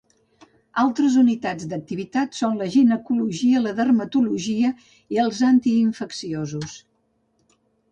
Altres unitats d'activitat són la ginecologia, la dermatologia i els antiinfecciosos.